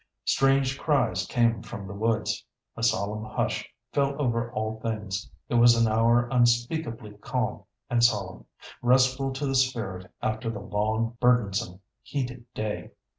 Strange cries came from the woods. A solemn hush fell over all things. It was an hour unspeakably calm and solemn—restful to the spirit after the long, burdensome, heated day.